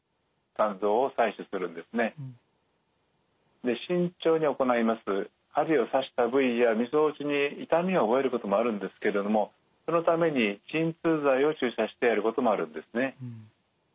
あるいは刺した部位やみぞおちに痛みを覚えることもあるんですけれどもそのために鎮痛剤を注射してやることもあるんですね。